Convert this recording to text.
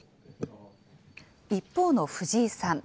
一方の藤井さん。